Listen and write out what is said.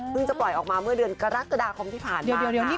พึ่งจะปล่อยออกมาเมื่อเดือนกะรักษ์กระดาษคมที่ผ่านมา